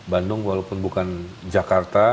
bandung walaupun bukan jakarta